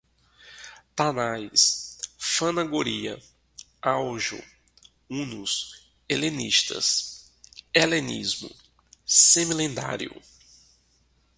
Tánais, Fanagoria, Aujo, hunos, helenistas, helenismo, semilendário